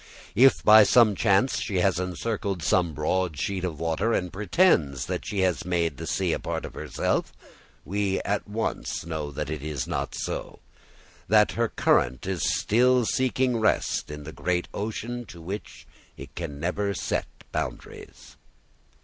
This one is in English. If, by some chance, she has encircled some broad sheet of water and pretends that she has made the sea a part of herself, we at once know that it is not so, that her current is still seeking rest in the great ocean to which it can never set boundaries.